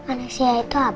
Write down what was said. amnesia itu apa sih ma